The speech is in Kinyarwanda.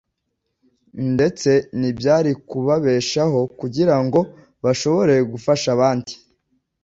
ndetse n’ibyari kubabeshaho kugira ngo bashobore gufasha abandi.